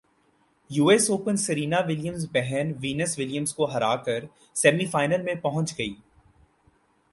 US Open Serena Williams بہن Venus Williams کو ہرا کر سیمی فائنل میں پہنچ گئی